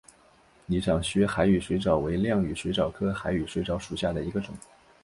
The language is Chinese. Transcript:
拟长须海羽水蚤为亮羽水蚤科海羽水蚤属下的一个种。